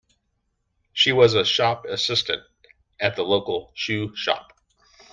She was a shop assistant at the local shoe shop